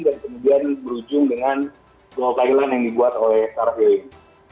dan kemudian berujung dengan gol thailand yang dibuat oleh star healing